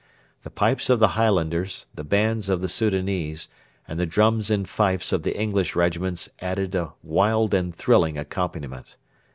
The pipes of the Highlanders, the bands of the Soudanese, and the drums and fifes of the English regiments added a wild and thrilling accompaniment.